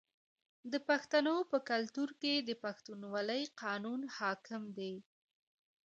د پښتنو په کلتور کې د پښتونولۍ قانون حاکم دی.